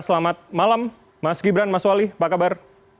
selamat malam mas gibran mas wali apa kabar